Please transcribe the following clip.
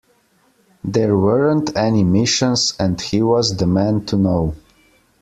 There weren't any missions, and he was the man to know.